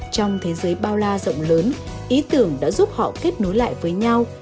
trong thế giới bao la rộng lớn ý tưởng đã giúp họ kết nối lại với nhau